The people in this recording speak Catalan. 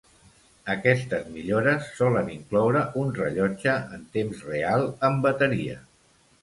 Aquestes millores solen incloure un rellotge en temps real amb bateria.